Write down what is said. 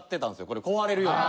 これ壊れるように。